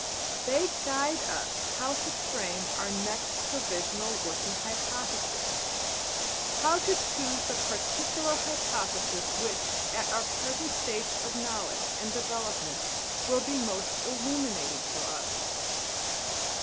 They guide us how to frame our \emph{next provisional working hypothesis}, how to choose the particular hypothesis which at our present stage of knowledge and development will be most illuminating for us.